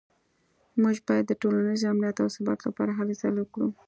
موږ باید د ټولنیز امنیت او ثبات لپاره هلې ځلې وکړو